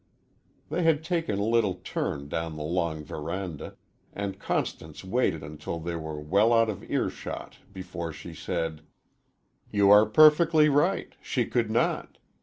They had taken a little turn down the long veranda, and Constance waited until they were well out of earshot before she said: "You are perfectly right she could not.